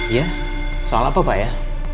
iya soal apa pak ya